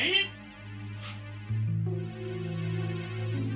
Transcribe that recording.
oh itu orangnya